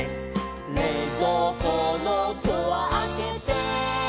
「れいぞうこのドアあけて」